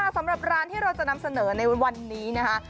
สำหรับร้านที่เราจะนำเสนอในวันนี้นะคะ